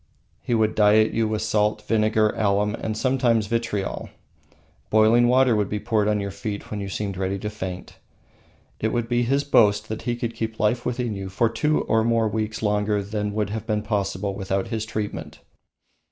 He would diet you with salt, vinegar, alum, and sometimes, vitriol. Boiling water would be poured on your feet when you seemed ready to faint. It would be his boast that he could keep life within you for two or more weeks longer than would have been possible without his treatment.